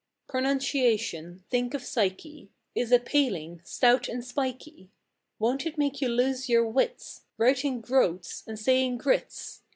Pronunciation—think of psyche!— Is a paling, stout and spikey; Won't it make you lose your wits, Writing "groats" and saying groats?